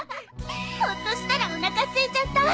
ホッとしたらおなかすいちゃった。